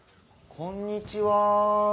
こんにちは。